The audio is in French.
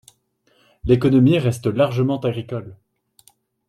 L'économie reste largement agricole.